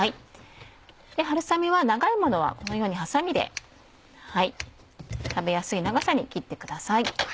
春雨は長いものはこのようにハサミで食べやすい長さに切ってください。